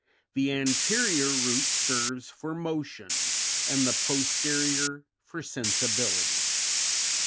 ; the anterior root serves for motion, and the posterior for sensibility.